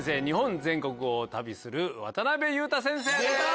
日本全国を旅する渡辺裕太先生です。